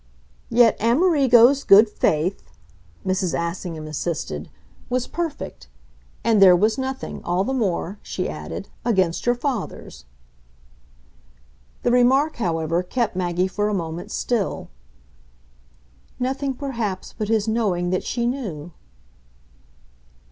"Yet Amerigo's good faith," Mrs. Assingham insisted, "was perfect. And there was nothing, all the more," she added, "against your father's." The remark, however, kept Maggie for a moment still. "Nothing perhaps but his knowing that she knew."